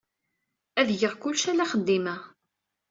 Ad geɣ kullec, ala axeddim-a.